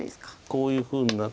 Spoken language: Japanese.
こういうふうになって。